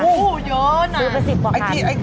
อู้วเยอะน่ะซื้อมา๑๐กว่าคัน